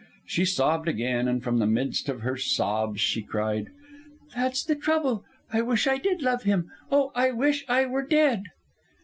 She sobbed again, and from the midst of her sobs she cried "That's the trouble. I wish I did love him. Oh, I wish I were dead!"